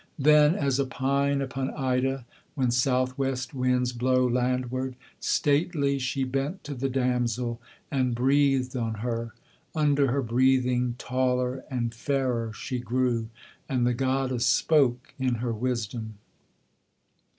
Then, as a pine upon Ida when southwest winds blow landward, Stately she bent to the damsel, and breathed on her: under her breathing Taller and fairer she grew; and the goddess spoke in her wisdom.